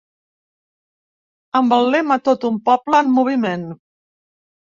Amb el lema Tot un poble en moviment.